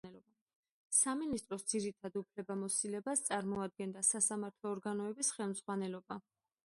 სამინისტროს ძირითად უფლებამოსილებას წარმოადგენდა სასამართლო ორგანოების ხელმძღვანელობა.